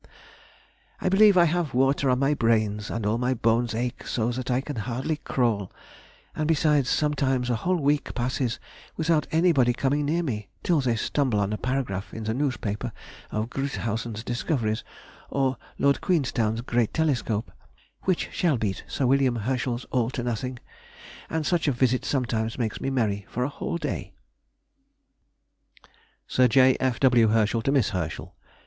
I believe I have water on my brains, and all my bones ache so that I can hardly crawl; and besides sometimes a whole week passes without anybody coming near me, till they stumble on a paragraph in the newspaper of Grüthousen's discoveries, or Lord Queenstown's great telescope, which shall beat Sir William Herschel's all to nothing, and such a visit sometimes makes me merry for a whole day. [Sidenote: 1842 1843. A Total Eclipse.] SIR J. F. W. HERSCHEL TO MISS HERSCHEL.